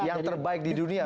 yang terbaik di dunia